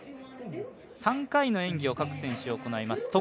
３回の演技を各選手行います。